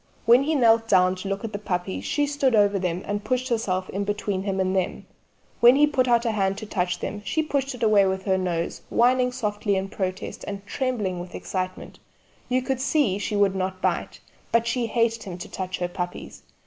When he knelt down to look at the puppies she stood over them and pushed herself in between him and them; when he put out a hand to touch them she pushed it away with her nose, whining softly in protest and trembling with excitement you could see she would not bite, but she hated him to touch her puppies.